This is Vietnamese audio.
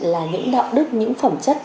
là những đạo đức những phẩm chất